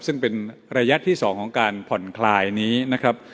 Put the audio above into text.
ซึ่งเป็นระยะที่๒ของการผ่อนคลายนี้นะครับ